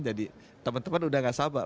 jadi teman teman udah gak sabar